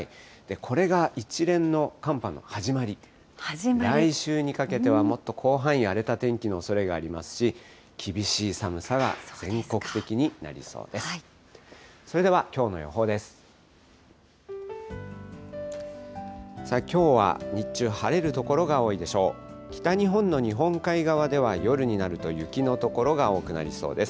これが一連の寒波の始まり、来週にかけては、もっと広範囲に荒れた天気のおそれがありますし、厳しい寒さが全国的になりそうです。